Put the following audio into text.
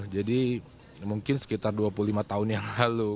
jadi mungkin sekitar dua puluh lima tahun yang lalu